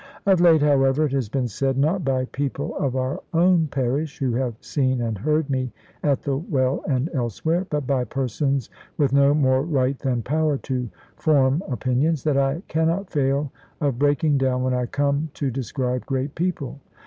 Of late, however, it has been said not by people of our own parish, who have seen and heard me at the well and elsewhere, but by persons with no more right than power to form opinions that I cannot fail of breaking down when I come to describe great people.